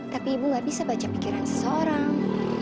tapi ibu gak bisa baca pikiran seseorang